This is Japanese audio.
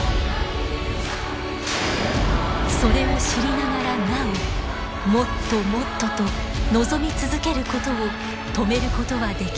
それを知りながらなお「もっともっと」と望み続けることを止めることはできない。